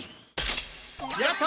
やった！